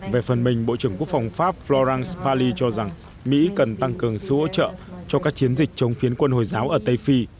về phần mình bộ trưởng quốc phòng pháp florance pali cho rằng mỹ cần tăng cường sự hỗ trợ cho các chiến dịch chống phiến quân hồi giáo ở tây phi